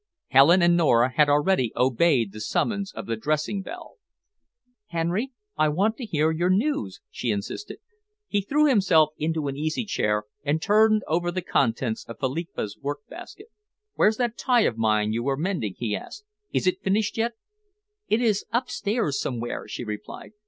Helen and Nora had already obeyed the summons of the dressing bell. "Henry, I want to hear your news," she insisted. He threw himself into an easy chair and turned over the contents of Philippa's workbasket. "Where's that tie of mine you were mending?" he asked. "Is it finished yet?" "It is upstairs somewhere," she replied.